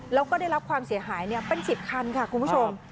แล้วก็ได้รับความเสียหายเป็น๑๐คันค่ะคุณผู้ชม